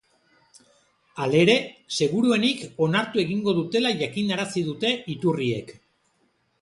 Halere, seguruenik onartu egingo dutela jakinarazi dute iturriek.